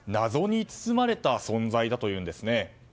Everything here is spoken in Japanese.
謎に包まれた存在だというんですね。